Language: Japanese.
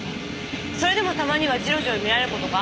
それでもたまにはジロジロ見られる事がある。